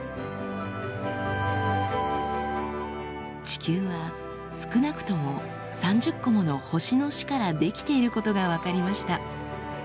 地球は少なくとも３０個もの星の死から出来ていることが分かりました。